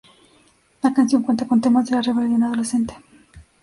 La canción cuenta con temas de la rebelión, adolescente.